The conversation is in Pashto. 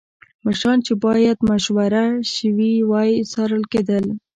مشیران چې باید مشوره شوې وای څارل کېدل